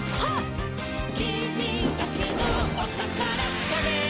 「きみだけのおたからつかめ！」